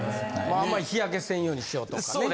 あんまり日焼けせんようにしようとかね。